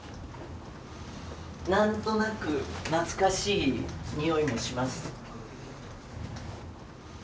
何となく懐かしいにおいもします。